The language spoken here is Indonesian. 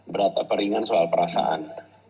berat atau peringan soal perasaan